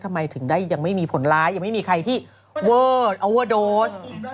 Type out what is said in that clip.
ทำไมถึงได้ยังไม่มีผลร้ายยังไม่มีใครที่เวอร์โดส